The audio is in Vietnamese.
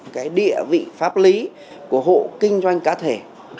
cái địa vị pháp lý của hộ kinh doanh cá thể